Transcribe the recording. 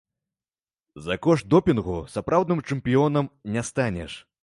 За кошт допінгу сапраўдным чэмпіёнам не станеш.